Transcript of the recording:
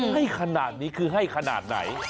ให้ขนาดนี้คือให้ขนาดไหน